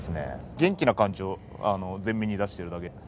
元気な感じを前面に出しているだけ。